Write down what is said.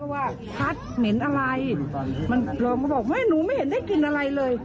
ว่าพัดเหม็นอะไรมันรองก็บอกไม่หนูไม่เห็นได้กินอะไรเลย